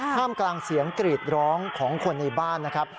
ท่ามกลางเสียงกรีดร้องของคนในบ้านนะครับ